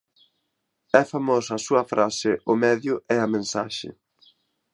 É famosa a súa frase «o medio é a mensaxe».